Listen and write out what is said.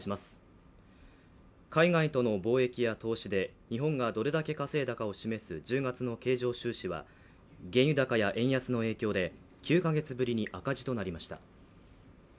海外との貿易や投資で日本がどれだけ稼いだことを示す１０月の経常収支は原油高や円安の影響で９か月ぶりに赤字となりました。